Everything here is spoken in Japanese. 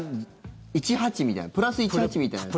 「１８」みたいな「＋１８」みたいなやつ？